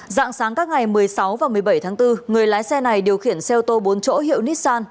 dạng sáng các ngày một mươi sáu và một mươi bảy tháng bốn người lái xe này điều khiển xe ô tô bốn chỗ hiệu nissan